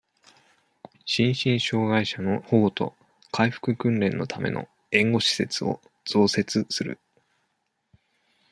心身障害者の保護と、回復訓練のための、援護施設を増設する。